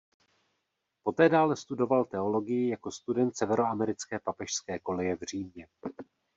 Poté dále studoval teologii jako student Severoamerické papežské koleje v Římě.